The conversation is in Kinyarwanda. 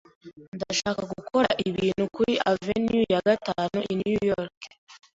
Ndashaka gukora ibintu kuri Avenue ya Gatanu i New York.